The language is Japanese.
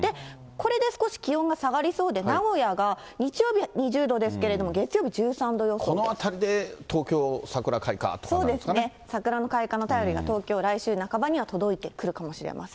これで少し気温が下がりそうで、名古屋が、日曜日は２０度ですけれども、このあたりで東京、そうですね、桜の開花の便りが東京、来週半ばには届いてくるかもしれません。